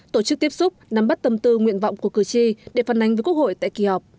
tổ chức tiếp xúc nắm bắt tâm tư nguyện vọng của cử tri để phân ánh với quốc hội tại kỳ họp